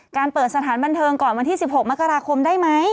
เปิดสถานบันเทิงก่อนวันที่๑๖มกราคมได้ไหม